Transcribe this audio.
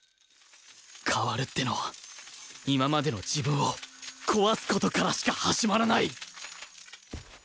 変わるってのは今までの自分を壊す事からしか始まらない！